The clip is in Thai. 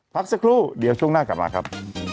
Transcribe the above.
พักสักครู่เดี๋ยวช่วงหน้ากลับมาครับ